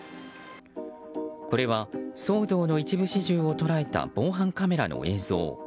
これは、騒動の一部始終を捉えた防犯カメラの映像。